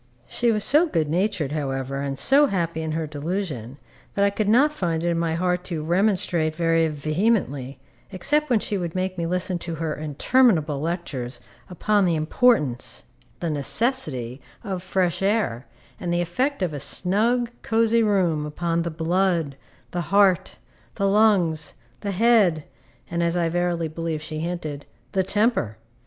She was so good natured, however, and so happy in her delusion, that I could not find it in my heart to remonstrate very vehemently, except when she would make me listen to her interminable lectures upon the importance, the necessity, of fresh air, and the effect of a snug, cosy room upon the blood, the heart, the lungs, the head, and (as I verily believe she hinted) the temper.